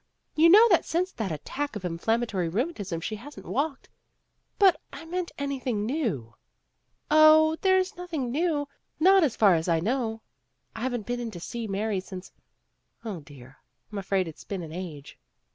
You know that since that attack of inflammatory rheumatism she hasn't walked " "But I meant anything new." "0, there's nothing new, not as far as I know. I haven't been in to see Mary since 0, dear, I'm afraid it's been an age."